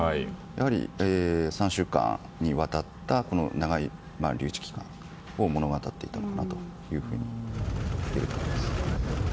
やはり３週間にわたった長い留置期間を物語っていたなといえると思います。